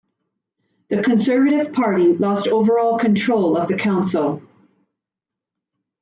The Conservative Party lost overall control of the council.